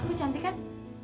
aku cantik kan